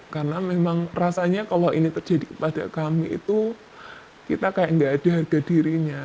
karena memang rasanya kalau ini terjadi kepada kami itu kita kayak nggak ada harga dirinya